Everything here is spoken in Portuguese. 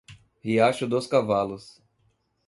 Riacho dos Cavalos